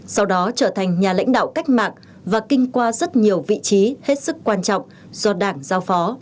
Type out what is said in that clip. sau đó trở thành nhà lãnh đạo cách mạng và kinh qua rất nhiều vị trí hết sức quan trọng do đảng giao phó